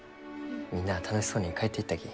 みんなあ楽しそうに帰っていったき。